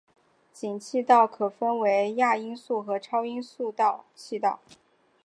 进气道可分为亚音速和超音速进气道。